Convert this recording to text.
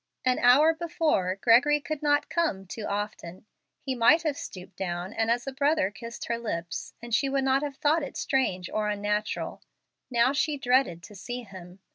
An hour before, Gregory could not come too often. He might have stooped down and as a brother kissed her lips, and she would not have thought it strange or unnatural. Now she dreaded to see him.